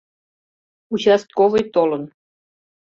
— Участковый толын.